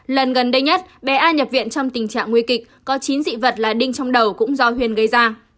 lần gần đây nhất bé a nhập viện trong tình trạng nguy kịch có chín dị vật là đinh trong đầu cũng do huyền gây ra